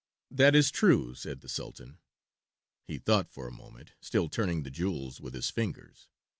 "That is true," said the Sultan. He thought for a moment, still turning the jewels with his fingers.